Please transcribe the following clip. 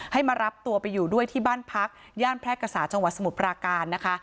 มารับตัวไปอยู่ด้วยที่บ้านพักย่านแพร่กษาจังหวัดสมุทรปราการนะคะ